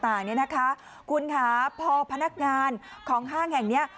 ต่างเนี่ยนะคะคุณค่ะพอพนักงานของห้างแห่งเนี้ย